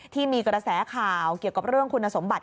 ที่มีกระแสข่าวเกี่ยวกับเรื่องคุณสมบัติ